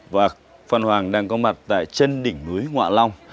và phan hoàng đang có mặt tại chân đỉnh núi ngoạ long